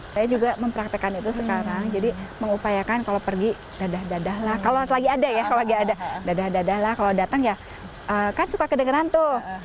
saya juga mempraktekan itu sekarang jadi mengupayakan kalau pergi dadah dadahlah kalau lagi ada ya dadah dadahlah kalau datang ya kan suka ke dengeran tuh